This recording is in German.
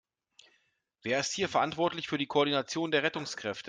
Wer ist hier verantwortlich für die Koordination der Rettungskräfte?